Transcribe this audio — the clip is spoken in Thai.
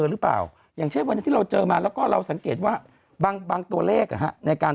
หรือป่าวที่เราเจอมาแล้วก็เราสังเกตว่าบางตัวเลขในการ